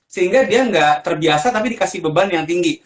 sehingga dia nggak terbiasa tapi dikasih beban yang tinggi